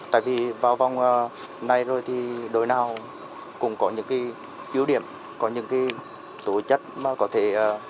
tại vì vào vòng này rồi thì đội nào cũng có những ưu điểm có những tổ chất mà có thể